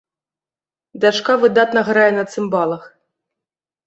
Дачка выдатна грае на цымбалах.